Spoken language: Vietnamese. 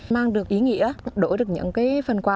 mang được ý nghĩa đổi được những phần quà